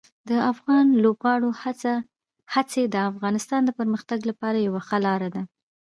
د افغان لوبغاړو هڅې د افغانستان د پرمختګ لپاره یوه ښه لار ده.